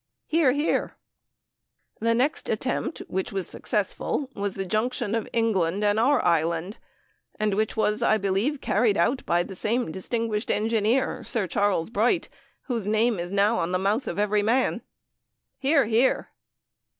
(Hear, hear.) The next attempt which was successful was the junction of England and our island, and which was, I believe, carried out by the same distinguished engineer (Sir Charles Bright), whose name is now in the mouth of every man. (Hear, hear.)